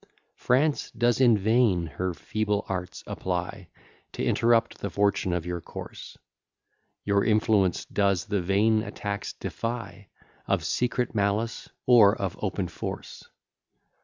France does in vain her feeble arts apply, To interrupt the fortune of your course: Your influence does the vain attacks defy Of secret malice, or of open force.